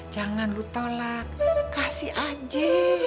jangan lu tolak kasih aja